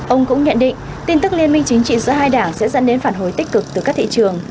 ông cũng nhận định tin tức liên minh chính trị giữa hai đảng sẽ dẫn đến phản hồi tích cực từ các thị trường